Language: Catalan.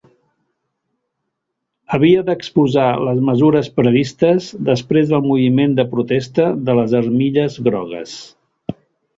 Havia d'exposar les mesures previstes després del moviment de protesta de les armilles grogues.